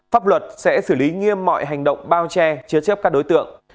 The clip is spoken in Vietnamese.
pháp luật sẽ xử lý nghiêm mọi hành động bao che chứa chấp các đối tượng